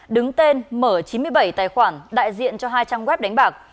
đứng tên mở chín mươi bảy tài khoản đại diện cho hai trăm linh web đánh bạc